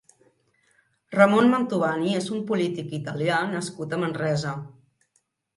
Ramon Mantovani és un polític italià nascut a Manresa.